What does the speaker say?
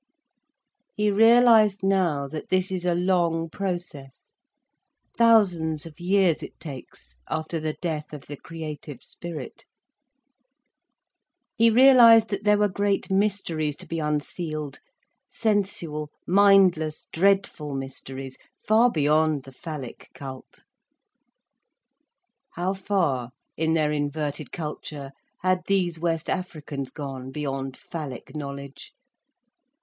He realised now that this is a long process—thousands of years it takes, after the death of the creative spirit. He realised that there were great mysteries to be unsealed, sensual, mindless, dreadful mysteries, far beyond the phallic cult. How far, in their inverted culture, had these West Africans gone beyond phallic knowledge?